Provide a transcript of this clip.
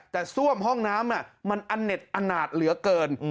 แต่ซ่วมห้องน้ำมันอเน็ตอนาดเหลือเกิน